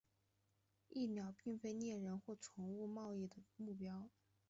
蚁鸟并非猎人或宠物贸易的目标。